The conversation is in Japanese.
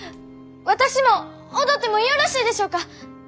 私も踊ってもよろしいでしょうか！